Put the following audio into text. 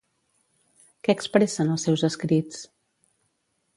Què expressen els seus escrits?